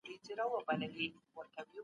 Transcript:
که ټولنه بدله سي، نو سياست هم بدلېږي.